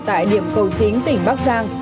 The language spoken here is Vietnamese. tại điểm cầu chính tỉnh bắc giang